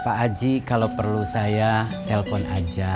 pak aji kalau perlu saya telpon aja